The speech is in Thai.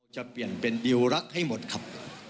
จะเปลี่ยนเป็นดิวรักให้หมดครับ